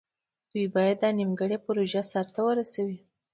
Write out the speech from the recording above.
دوی باید دا نیمګړې پروژه سر ته ورسوي.